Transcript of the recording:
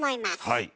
はい。